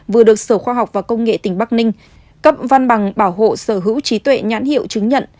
vừa được sở khoa học và công nghệ tỉnh bắc ninh cấp văn bằng bảo hộ sở hữu trí tuệ nhãn hiệu chứng nhận